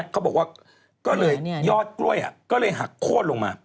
เขาบอกว่ายอดกล้วยก็เลยหักโคตรลงมา